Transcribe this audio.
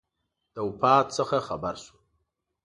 د وفات څخه خبر شو.